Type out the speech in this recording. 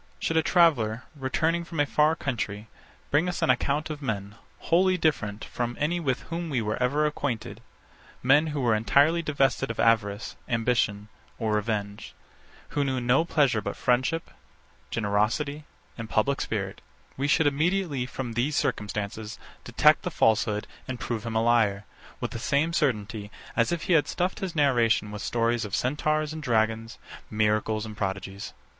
Should a traveller, returning from a far country, bring us an account of men, wholly different from any with whom we were ever acquainted; men, who were entirely divested of avarice, ambition, or revenge; who knew no pleasure but friendship, generosity, and public spirit; we should immediately, from these circumstances, detect the falsehood, and prove him a liar, with the same certainty as if he had stuffed his narration with stories of centaurs and dragons, miracles and prodigies.